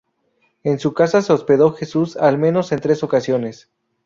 En su casa se hospedó Jesús al menos en tres ocasiones.